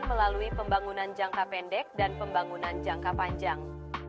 melalui pembangunan jangka pendek dan pembangunan jangka panjang